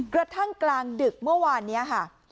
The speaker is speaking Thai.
กระทั่งกลางดึกเมื่อวานนี้ค่ะ